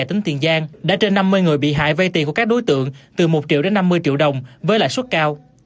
tỉnh tiền giang đã trên năm mươi người bị hại vay tiền của các đối tượng từ một triệu đến năm mươi triệu đồng với lãi suất cao